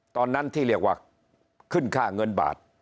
ตอนนั้นที่เรียกว่าขึ้นค่าเงินบาท